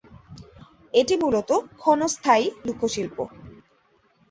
এটি মূলত ক্ষণস্থায়ী লোকশিল্প।